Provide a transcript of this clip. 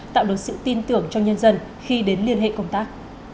tạo được sự tin tưởng cho nhân dân khi đến liên hệ công tác